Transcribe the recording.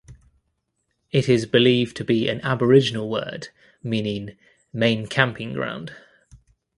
It is believed to be an Aboriginal word meaning "main camping ground".